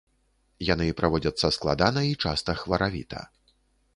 Яны праводзяцца складана і часта хваравіта.